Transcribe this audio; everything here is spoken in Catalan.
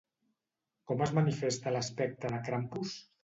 Com es manifesta l'aspecte de Krampus?